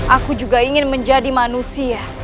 aku juga ingin menjadi manusia